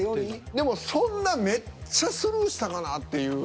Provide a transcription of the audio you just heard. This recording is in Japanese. でもそんなめっちゃスルーしたかなっていう。